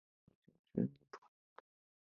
Los dos pintores hacen una aproximación mutua.